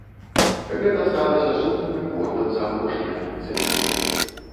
Гэта сталася сумным рэкордам за апошнія трыццаць год.